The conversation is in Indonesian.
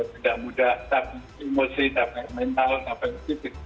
tidak mudah capai emosi capai mental capai fisik